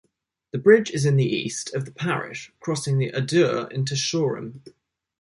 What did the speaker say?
The bridge is in the east of the parish, crossing the Adur into Shoreham.